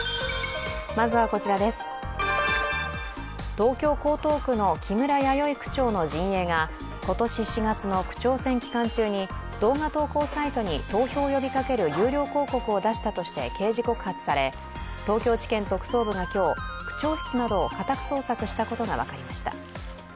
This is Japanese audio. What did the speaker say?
東京・江東区の木村弥生区長の陣営が今年４月の区長選期間中に動画投稿サイトに投票を呼びかける有料広告を出したとして刑事告発され東京地検特捜部が今日、区長室などを家宅捜索したことが分かりました。